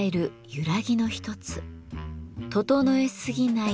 「整えすぎない」